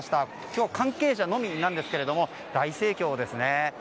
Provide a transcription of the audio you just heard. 今日、関係者のみなんですが大盛況ですね。